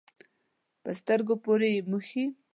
په سترګو پورې یې مښي.